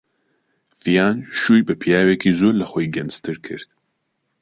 ڤیان شووی بە پیاوێکی زۆر لە خۆی گەنجتر کرد.